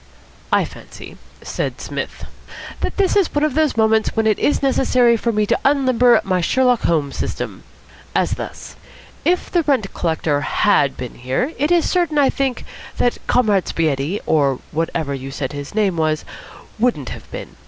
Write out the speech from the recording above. "I fancy," said Psmith, "that this is one of those moments when it is necessary for me to unlimber my Sherlock Holmes system. As thus. If the rent collector had been here, it is certain, I think, that Comrade Spaghetti, or whatever you said his name was, wouldn't have been.